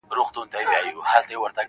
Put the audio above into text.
ستا پۀ وادۀ كې جېنكو بېګاه چمبه وهله,